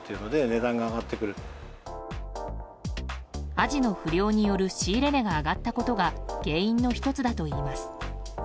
アジの不漁による仕入れ値が上がったことが原因の１つだといいます。